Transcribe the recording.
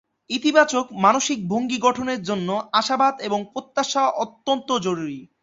ইতিবাচক মানসিক ভঙ্গি গঠনের জন্য আশাবাদ এবং প্রত্যাশা অত্যন্ত জরুরী।